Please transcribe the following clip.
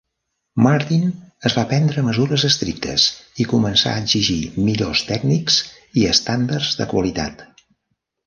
Martin es va prendre mesures estrictes i començà a exigir millors tècnics i estàndards de qualitat.